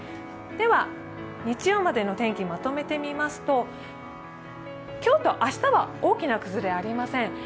では日曜までの天気、まとめてみますと、今日と明日は大きな崩れはありません。